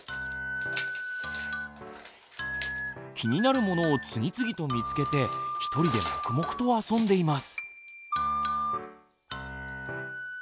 気になるものを次々と見つけて一人で黙々と遊んでいます。